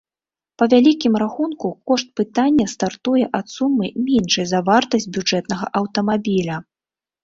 Па вялікім рахунку, кошт пытання стартуе ад сумы, меншай за вартасць бюджэтнага аўтамабіля.